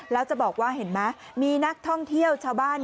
แล้วจะบอกว่าเห็นไหมมีนักท่องเที่ยวชาวบ้าน